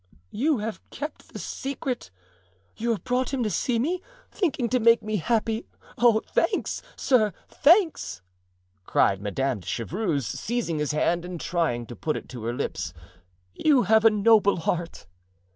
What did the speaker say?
"You have kept the secret! you have brought him to see me, thinking to make me happy. Oh, thanks! sir, thanks!" cried Madame de Chevreuse, seizing his hand and trying to put it to her lips; "you have a noble heart."